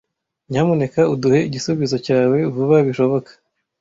Nyamuneka uduhe igisubizo cyawe vuba bishoboka.